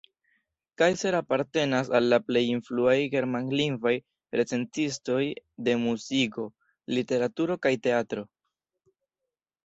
Kaiser apartenas al la plej influaj germanlingvaj recenzistoj de muziko, literaturo kaj teatro.